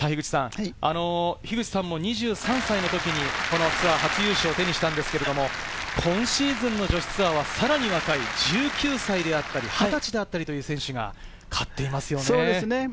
樋口さんも２３歳のときにツアー初優勝を手にしたんですけれど、今シーズンの女子ツアーはさらに若い１９歳であったり２０歳だったりという選手が勝っていますよね。